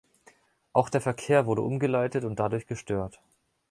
Auch der Verkehr wurde umgeleitet und dadurch gestört.